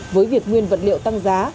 với việc nguyên vật liệu tăng giá